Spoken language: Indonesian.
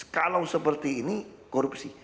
kalau seperti ini korupsi